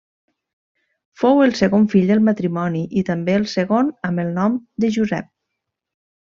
Fou el segon fill del matrimoni i també el segon amb el nom de Josep.